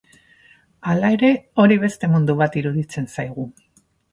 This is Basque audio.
Hala ere, hori beste mundu bat iruditzen zaigu.